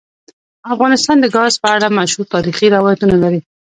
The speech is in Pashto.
افغانستان د ګاز په اړه مشهور تاریخی روایتونه لري.